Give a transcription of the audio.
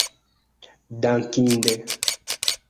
dankinde